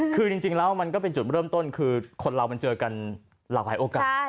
คือจริงแล้วมันก็เป็นจุดเริ่มต้นคือคนเรามันเจอกันหลากหลายโอกาส